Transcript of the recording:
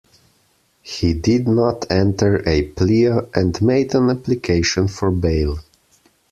He did not enter a plea and made an application for bail.